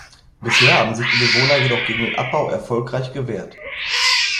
Bisher haben sich die Bewohner jedoch gegen den Abbau erfolgreich gewehrt.